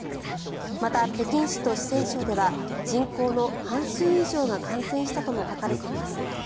また、北京市と四川省では人口の半数以上が感染したとも書かれています。